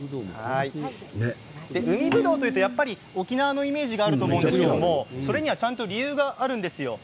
海ぶどうというと沖縄のイメージがあると思いますけど、それにはちゃんと理由があるんです。